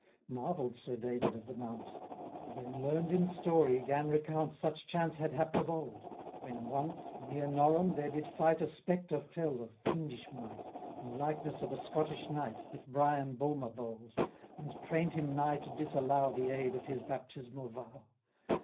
Marvell'd Sir David of the Mount; 455 Then, learn'd in story, 'gan recount Such chance had happ'd of old, When once, near Norham, there did fight A spectre fell of fiendish might, In likeness of a Scottish knight, 460 With Brian Bulmer bold, And train'd him nigh to disallow The aid of his baptismal vow.